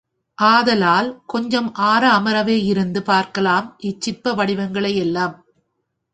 ஆதலால் கொஞ்சம் ஆற ஆமரவே இருந்து பார்க்கலாம் இச்சிற்ப வடிவங்களையெல்லாம்.